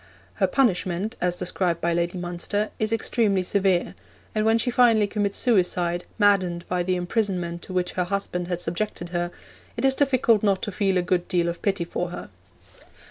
Her punishment, as described by Lady Munster, is extremely severe; and when she finally commits suicide, maddened by the imprisonment to which her husband had subjected her, it is difficult not to feel a good deal of pity for her.